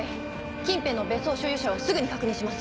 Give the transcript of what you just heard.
近辺の別荘所有者をすぐに確認します。